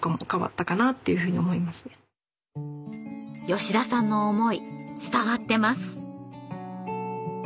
吉田さんの思い伝わってます。